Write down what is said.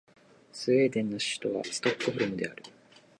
スウェーデンの首都はストックホルムである